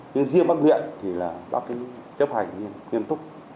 nhưng riêng bác nguyễn thì là bác chấp hành nghiêm túc